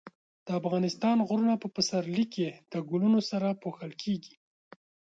د افغانستان غرونه په پسرلي کې د ګلونو سره پوښل کېږي.